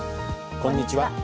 こんにちは。